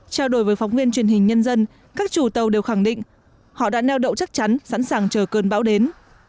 trao đổi với phóng viên truyền hình nhân dân các chủ tàu đều khẳng định họ đã neo đậu chắc chắn sẵn sàng chờ cơn bão đến